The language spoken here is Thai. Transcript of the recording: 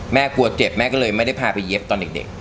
กลัวเจ็บแม่ก็เลยไม่ได้พาไปเย็บตอนเด็ก